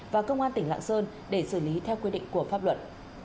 và công an tỉnh lạng sơn để xử lý theo quy định của pháp luật